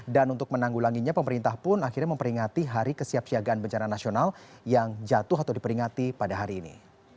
dan untuk menanggulanginya pemerintah pun akhirnya memperingati hari kesiapsiagaan bencana nasional yang jatuh atau diperingati pada hari ini